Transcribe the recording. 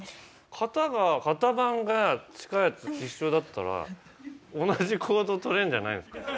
型が型番が近いやつ一緒だったら同じ行動を取れるんじゃないんですか？